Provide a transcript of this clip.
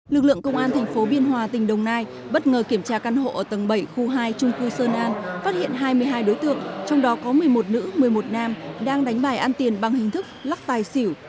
lực lượng công an thành phố biên hòa tỉnh đồng nai bất ngờ kiểm tra căn hộ ở tầng bảy khu hai trung cư sơn an phát hiện hai mươi hai đối tượng trong đó có một mươi một nữ một mươi một nam đang đánh bài ăn tiền bằng hình thức lắc tài xỉu